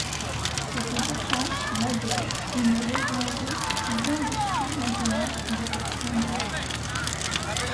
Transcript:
Ce fut pourtant, naguère, une région riche, bien déchue maintenant, de sa splendeur.